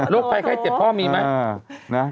ลูกแค่๗พ่อมีไหม